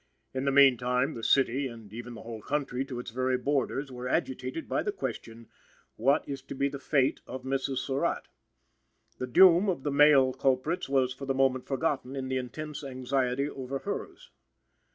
In the meantime, the city, and even the whole country to its very borders, were agitated by the question: What is to be the fate of Mrs. Surratt? The doom of the male culprits was for the moment forgotten in the intense anxiety over hers.